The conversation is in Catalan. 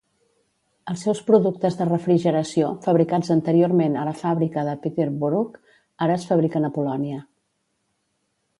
Els seus productes de refrigeració, fabricats anteriorment a la fàbrica de Peterborough ara es fabriquen a Polònia.